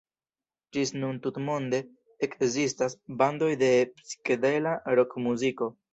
Ĝis nun tutmonde ekzistas bandoj de psikedela rokmuziko.